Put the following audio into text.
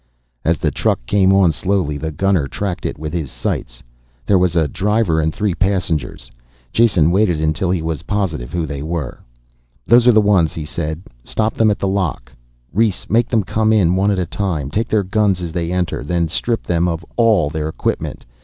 As the truck came on slowly, the gunner tracked it with his sights. There was a driver and three passengers. Jason waited until he was positive who they were. "Those are the ones," he said. "Stop them at the lock, Rhes, make them come in one at a time. Take their guns as they enter, then strip them of all their equipment.